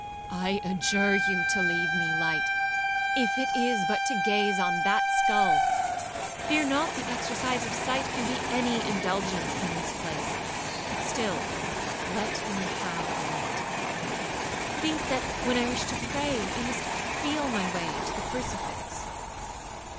'I adjure you to leave me light, if it is but to gaze on that skull; fear not the exercise of sight can be any indulgence in this place; but still let me have a light; think that when I wish to pray, I must feel my way to that crucifix.'